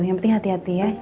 yang penting hati hati ya